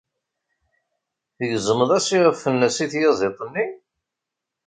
Tgezmeḍ-as iɣef-nnes i tyaziḍt-nni.